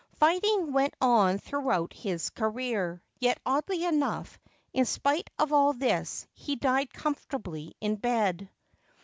Fighting went on throughout his career ; yet oddly enough, in spite of all this, he died comfortably in bed.